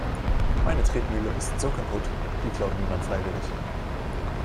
Meine Tretmühle ist so kaputt, die klaut niemand freiwillig.